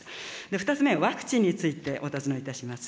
２つ目はワクチンについてお尋ねいたします。